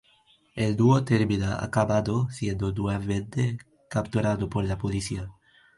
El dúo termina acabado siendo nuevamente capturado por la policía.